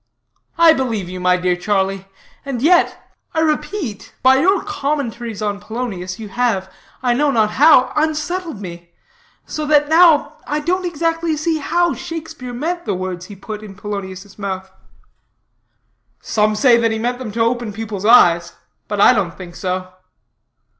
"I believe you, my dear Charlie. And yet, I repeat, by your commentaries on Polonius you have, I know not how, unsettled me; so that now I don't exactly see how Shakespeare meant the words he puts in Polonius' mouth." "Some say that he meant them to open people's eyes; but I don't think so."